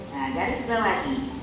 nah dari segala ini